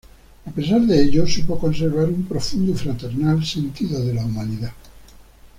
A pesar de ello supo conservar un profundo y fraternal sentido de la humanidad.